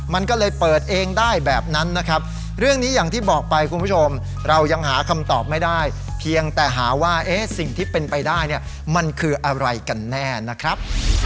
มันก็เลยเปิดเองได้แบบนั้นนะครับเรื่องนี้อย่างที่บอกไปคุณผู้ชมเรายังหาคำตอบไม่ได้เพียงแต่หาว่าสิ่งที่เป็นไปได้เนี่ยมันคืออะไรกันแน่นะครับ